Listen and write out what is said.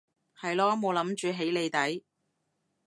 係囉冇諗住起你底